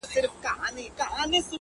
کډه وکړه هغه ښار ته چي آباد سې؛